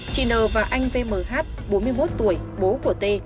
chị n và anh vmh bốn mươi một tuổi bố của t